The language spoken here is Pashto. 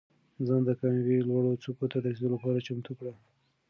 ځان د کامیابۍ لوړو څوکو ته د رسېدو لپاره چمتو کړه.